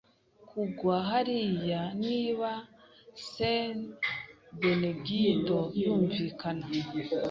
Kugwa hariya niba Saint Benedigito yumvikana